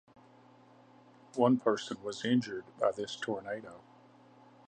One person was injured by this tornado.